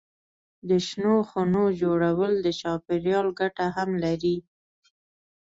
د شنو خونو جوړول د چاپېریال ګټه هم لري.